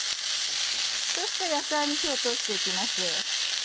そして野菜に火を通して行きます。